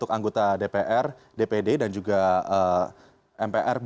untuk anggota dpr dpd dan juga mpr